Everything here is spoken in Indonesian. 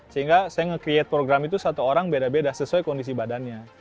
sehingga saya membuat program itu satu orang berbeda beda sesuai kondisi badannya